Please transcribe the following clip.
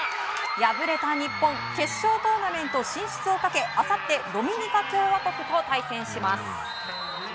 敗れた日本決勝トーナメント進出をかけあさってドミニカ共和国と対戦します。